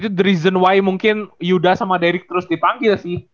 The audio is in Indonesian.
itu the reason y mungkin yuda sama derik terus dipanggil sih